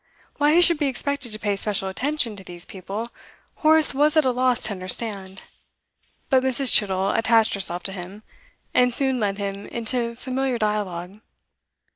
Why he should be expected to pay special attention to these people, Horace was at a loss to understand; but Mrs. Chittle attached herself to him, and soon led him into familiar dialogue.